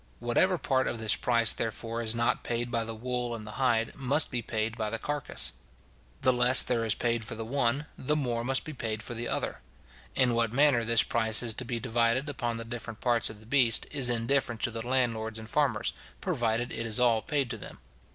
Whatever part of this price, therefore, is not paid by the wool and the hide, must be paid by the carcase. The less there is paid for the one, the more must be paid for the other. In what manner this price is to be divided upon the different parts of the beast, is indifferent to the landlords and farmers, provided it is all paid to them.